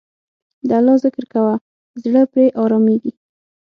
د الله ذکر کوه، زړه پرې آرامیږي.